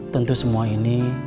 tentu semua ini ada pemicunya